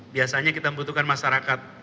biasanya kita membutuhkan masyarakat